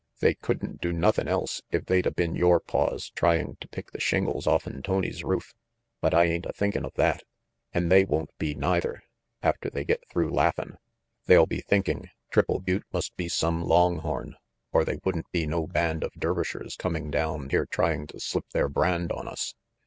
They couldn't do nothin' else if they'd a seen your paws trying to pick the shingles offen Tony's roof, but I ain't a thinkin' of that. An' they won't be, neither, after they get through laughin'. They'll be thinking Triple Butte must be some long horn or they wouldn't be no band of Dervishers coming down here trying to slip their brand on us.